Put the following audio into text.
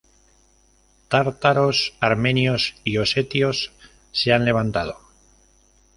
Tártaros, armenios y osetios se han levantado.